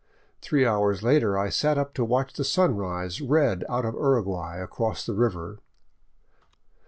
Three hours later I sat up to watch the sun rise red out of Uruguay, across the river.